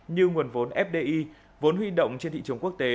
như nguồn vốn fdi vốn huy động trên thị trường quốc tế